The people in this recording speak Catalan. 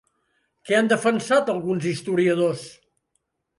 Què han defensat alguns historiadors?